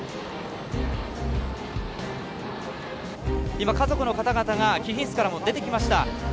今家族の方々が貴賓室から出てきました。